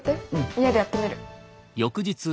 家でやってみる。